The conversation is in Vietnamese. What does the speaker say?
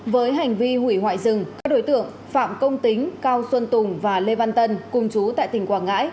với hành vi hủy hoại rừng các đối tượng phạm công tính cao xuân tùng và lê văn tân cùng chú tại tỉnh quảng ngãi